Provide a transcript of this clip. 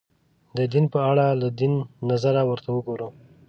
د دین په اړه له دین نظره ورته وګورو